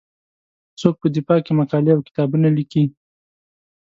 څوک په دفاع کې مقالې او کتابونه لیکي.